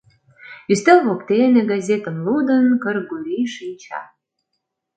Ӱстел воктене, газетым лудын, Кыргорий шинча.